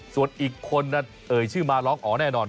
ส่วนอีกคนเอ่ยชื่อมาร้องอ๋อแน่นอน